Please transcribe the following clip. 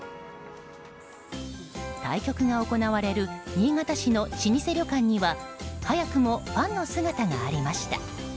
対局が行われる新潟市の老舗旅館には早くもファンの姿がありました。